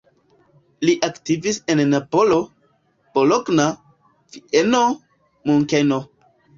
Li aktivis en Napolo, Bologna, Vieno, Munkeno.